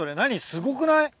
すごくない？